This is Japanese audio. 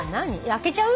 開けちゃう？